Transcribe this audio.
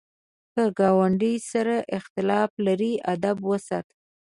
که ګاونډي سره اختلاف لرې، ادب وساته